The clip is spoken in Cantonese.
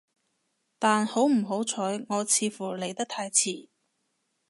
但好唔好彩，我似乎嚟得太遲